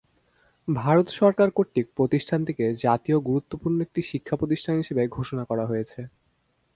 ভারত সরকার কর্তৃক প্রতিষ্ঠানটিকে জাতীয় গুরুত্বপূর্ণ একটি শিক্ষা প্রতিষ্ঠান হিসাবে ঘোষণা করা হয়েছে।